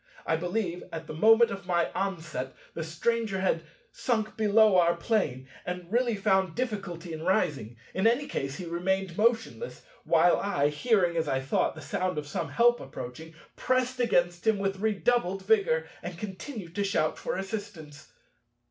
I believe, at the moment of my onset, the Stranger had sunk below our Plane, and really found difficulty in rising. In any case he remained motionless, while I, hearing, as I thought, the sound of some help approaching, pressed against him with redoubled vigor, and continued to shout for assistance.